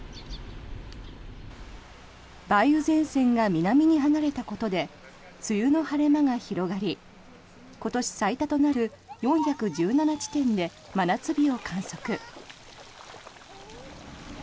梅雨前線が南に離れたことで梅雨の晴れ間が広がり今年最多となる４１７地点で真夏日を観測。